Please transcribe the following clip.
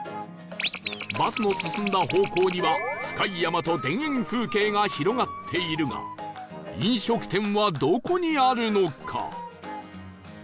バスの進んだ方向には深い山と田園風景が広がっているが飲食店はどこにあるのか？